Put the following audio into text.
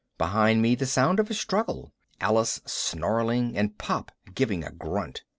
Behind me, the sound of a struggle. Alice snarling and Pop giving a grunt.